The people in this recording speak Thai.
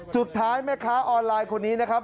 สุดท้ายแม่ค้าออนไลน์คนนี้นะครับ